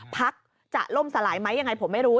ภักดิ์จะล่มสลายไหมผมไม่รู้